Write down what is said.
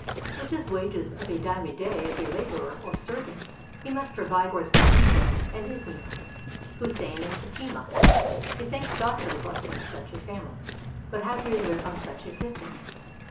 With his wages of a dime a day as a laborer or servant he must provide for his Khadija and Ismiei, Husain and Fatima. He thanks God for the blessing of such a family; but how do they live on such a pittance?